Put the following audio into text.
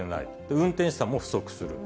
運転手さんも不足する。